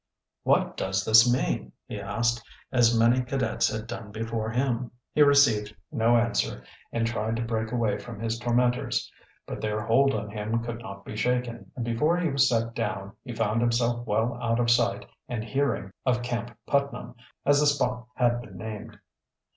"What does this mean?" he asked, as many cadets had done before him. He received no answer, and tried to break away from his tormentors. But their hold on him could not be shaken, and before he was set down he found himself well out of sight and hearing of Camp Putnam, as the spot had been named.